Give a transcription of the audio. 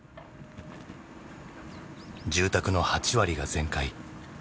住宅の８割が全壊。